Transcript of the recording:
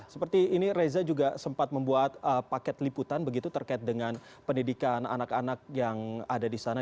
seperti ini reza juga sempat membuat paket liputan begitu terkait dengan pendidikan anak anak yang ada di sana